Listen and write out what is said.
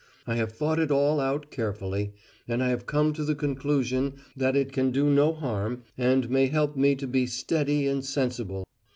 I have thought it all out carefully, and I have come to the conclusion that it can do no harm and may help me to be steady and sensible.